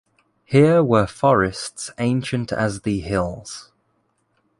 Here were forests ancient as the hills.